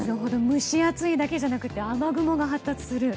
蒸し暑いだけじゃなくて雨雲が発達すると。